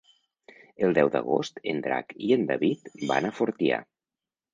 El deu d'agost en Drac i en David van a Fortià.